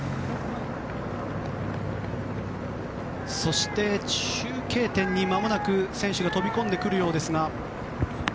そして中継点にまもなく選手が飛び込んできます。